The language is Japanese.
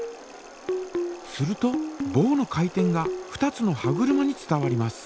するとぼうの回転が２つの歯車に伝わります。